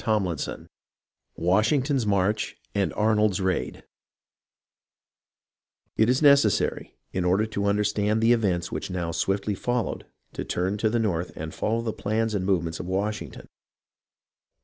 CHAPTER XXXIV Washington's march and Arnold's raid It is necessary, in order to understand the events which now swiftly followed, to turn to the north and follow the plans and movements of Washington.